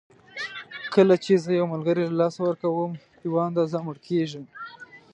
کله چې زه یو ملګری له لاسه ورکوم یوه اندازه مړ کېږم.